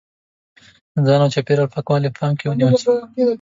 د ځان او چاپېریال پاکوالی په پام کې ونیول شي.